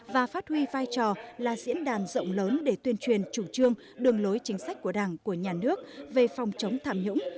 và phát huy vai trò là diễn đàn rộng lớn để tuyên truyền chủ trương đường lối chính sách của đảng của nhà nước về phòng chống tham nhũng